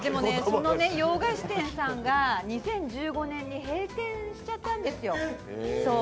その洋菓子店さんが２０１５年に閉店しちゃったんですよ。